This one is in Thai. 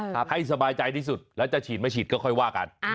เฮ้ยอันนี้สบายใจที่สุดและจะฉีดจะฉีดก็ค่อยว่ากัน